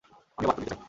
আমিও বার্তা দিতে চাই।